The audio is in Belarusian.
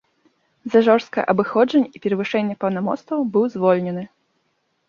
За жорсткае абыходжанне і перавышэнне паўнамоцтваў быў звольнены.